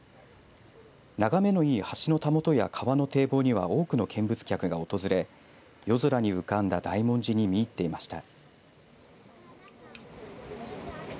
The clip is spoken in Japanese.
眺めのいい橋のたもとや川の堤防には多くの見物客が訪れ夜空に浮かんだ大文字に見入っていました。